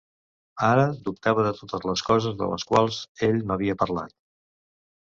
Ara dubtava de totes les coses de les quals ell m'havia parlat.